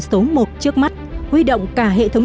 số một trước mắt huy động cả hệ thống